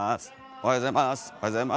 おはようございます。